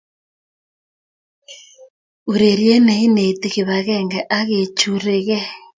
Urerie ne inetii kibakenge ak kecherukei.